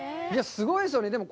すごいですよね！